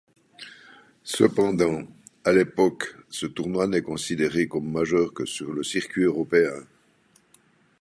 Cependant, à l'époque, ce tournoi n'est considéré comme Majeur que sur le circuit européen.